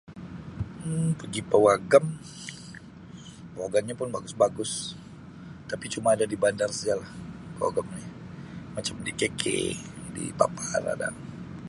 Um Pigi pawagam, pawagamnya pun bagus-bagus tapi cuma ada di bandar sajalah pawagam ni macam di KK di Papar ada.